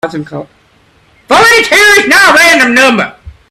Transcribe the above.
Forty-two is not a random number.